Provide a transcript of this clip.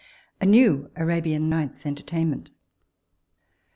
_A new Arabian Night's Entertainment.